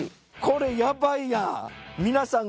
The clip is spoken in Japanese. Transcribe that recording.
これヤバいやん！